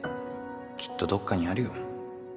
きっとどっかにあるよ